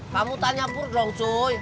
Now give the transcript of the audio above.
kamu tanya pur dong su